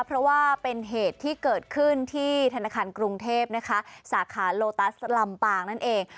เพราะว่าเป็นเหตุที่เกิดขึ้นที่ธนาคารกรุงเทพนะคะสาขาโลตัสลำปางนั่นเอง